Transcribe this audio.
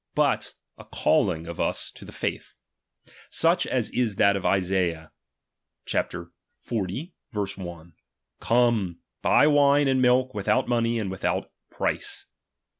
i but a calling of us to the faith : such as is that of ^™ Isaiah (Iv. 1): Come; buy wine and milk without money and without price.